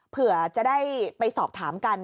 เผื่อจะได้ไปสอบถามกัน